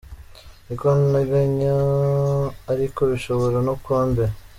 Niko nteganya ariko bishobora no kuba mbere.